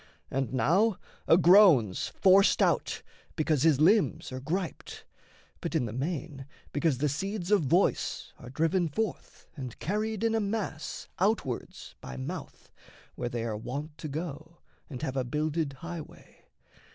And now A groan's forced out, because his limbs are griped, But, in the main, because the seeds of voice Are driven forth and carried in a mass Outwards by mouth, where they are wont to go, And have a builded highway.